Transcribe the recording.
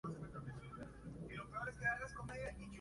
En España hay ocho centros que dependen del Ministerio del Interior.